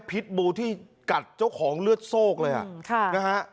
พิษบูที่กัดเจ้าของเลือดโซกเลยอ่ะค่ะนะฮะ